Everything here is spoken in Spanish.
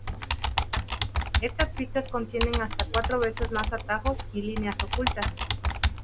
Estas pistas contienen hasta cuatro veces más atajos y líneas ocultas.